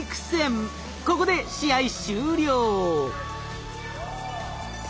ここで試合終了。